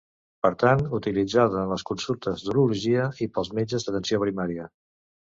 Per tant, utilitzada en les consultes d'urologia i pels metges d'atenció primària.